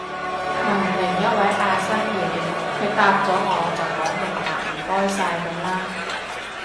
問另一位阿生嘢，佢答咗我就講明白唔該晒噉啦